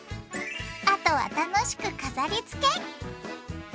あとは楽しく飾りつけ！